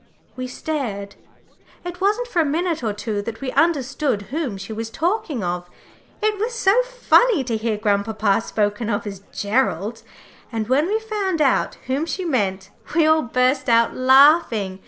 We stared it wasn't for a minute or two that we understood whom she was talking of. It was so funny to hear grandpapa spoken of as "Gerald" and when we found out whom she meant, we all burst out laughing.